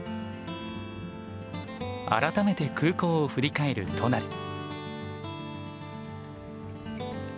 改めて空港を振り返る都成。